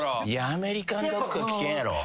アメリカンドッグは危険やろ。